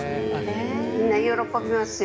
みんな喜びますよ。